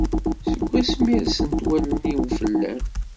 Seg asmi rsen-t wallen-iw fell-am.